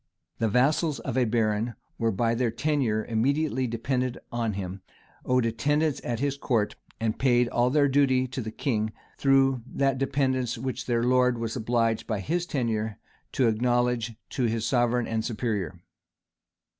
The vassals of a baron were by their tenure immediately dependent on him, owed attendance at his court, and paid all their duty to the king, through that dependence which their lord was obliged by his tenure to acknowledge to his sovereign and superior.